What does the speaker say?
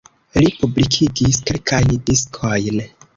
Li publikigis kelkajn diskojn.